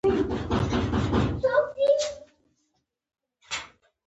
کورني چرګان تر ټولو ډېر دي.